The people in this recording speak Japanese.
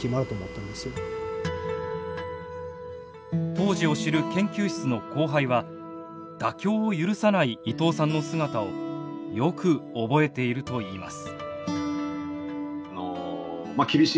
当時を知る研究室の後輩は妥協を許さない伊藤さんの姿をよく覚えているといいます。